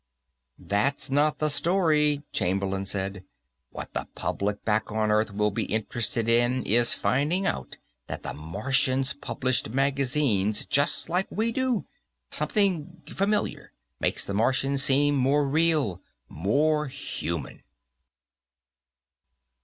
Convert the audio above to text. "That's not the story," Chamberlain said. "What the public back on Terra will be interested in is finding out that the Martians published magazines, just like we do. Something familiar; make the Martians seem more real. More human."